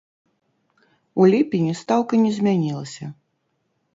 У ліпені стаўка не змянілася.